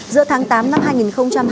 giữa tháng tám năm hai nghìn hai mươi một